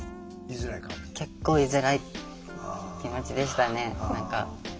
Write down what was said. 結構居づらい気持ちでしたね何か。